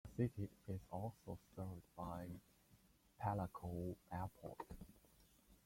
The city is also served by Parakou Airport.